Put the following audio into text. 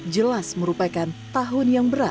dua ribu dua puluh jelas merupakan tahun yang paling menarik